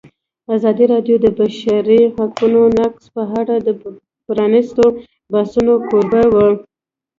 ازادي راډیو د د بشري حقونو نقض په اړه د پرانیستو بحثونو کوربه وه.